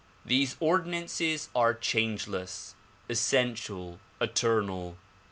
These ordinances are changeless, essential, eternal.